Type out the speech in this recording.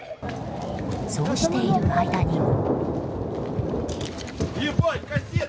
そうしている間に。